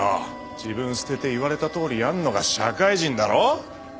自分捨てて言われたとおりやんのが社会人だろ？